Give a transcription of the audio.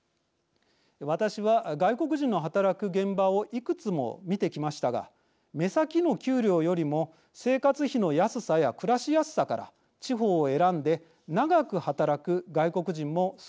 私は外国人の働く現場をいくつも見てきましたが目先の給料よりも生活費の安さや暮らしやすさから地方を選んで長く働く外国人も少なくありません。